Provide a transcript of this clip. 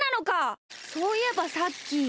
そういえばさっき。